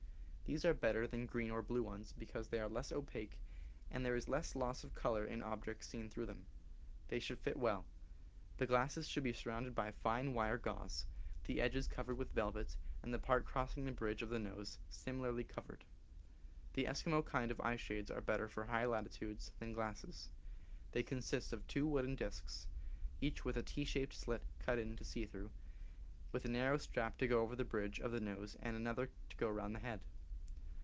^^* These are better than green or blue ones, because they are less opaque and there is less loss of color in objects seen through them. They should fit well. The glasses should be surrounded by fine wire gauze, the edges covered with velvet, and the part crossing the bridge of the nose similarly covered. The Eskimo kind of eye shades are better for high lati tudes than glasses. They consist of two wooden disks, each with a T shaped slit cut in it to see through, with a narrow strap to go over the bridge of the nose and another to go around the head.